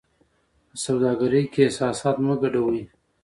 په سوداګرۍ کې احساسات مه ګډوئ.